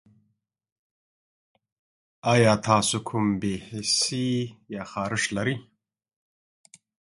ایا تاسو کوم بې حسي یا خارښت لرئ؟